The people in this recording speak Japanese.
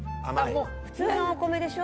普通のお米でしょ？